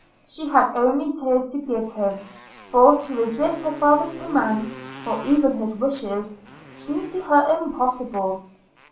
She had only tears to give him; for, to resist her father's commands, or even his wishes, seemed to her impossible.